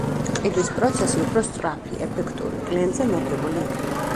ყიდვის პროცესი უფრო სწრაფი, ეფექტური, კლიენტზე მორგებული იქნება.